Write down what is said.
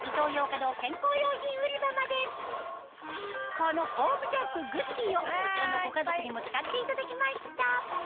このホームジャンプグッデイをこちらのご家族にも使っていただきました